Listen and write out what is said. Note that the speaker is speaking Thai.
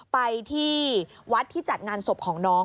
ไปที่วัดที่จัดงานศพของน้อง